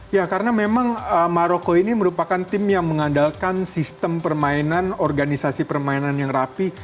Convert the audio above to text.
ya karena memang maroko ini merupakan tim yang mengandalkan sistem permainan organisasi permainan yang rapi